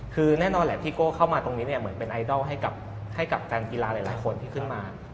คือแน่นอนแหละพี่โก้เข้ามาตรงนี้เนี่ยเหมือนเป็นไอดอลให้กับแฟนกีฬาหลายคนที่ขึ้นมา